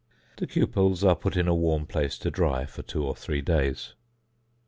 The cupels are put in a warm place to dry for two or three days.